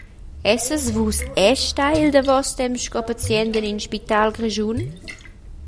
Essas Vus era stai il davos temps sco pazient en in spital grischun?